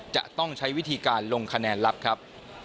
จะต้องใช้วิธีการลงคะแนนลับครับ